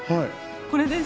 これです。